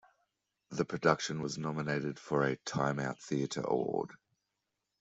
The production was nominated for a Time Out Theatre Award.